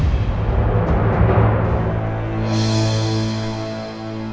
karena kita sudah bebas di sekolah sekarang